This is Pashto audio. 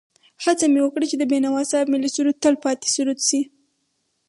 هڅه مې وکړه چې د بېنوا صاحب ملي سرود تل پاتې سرود شي.